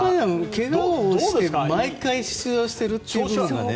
けがをして毎回出場しているという意味では。